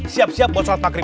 siap siap buat sholat maghrib